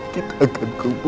kita akan kembali dengan mama